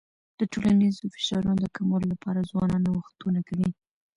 د ټولنیزو فشارونو د کمولو لپاره ځوانان نوښتونه کوي.